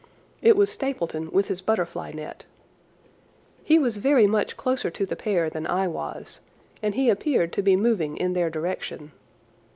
It was Stapleton with his butterfly net. He was very much closer to the pair than I was, and he appeared to be moving in their direction.